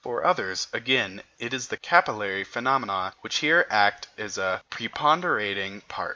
For others, again, it is the capillary phenomena which here act a preponderating part.